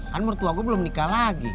kan mertua gue belum nikah lagi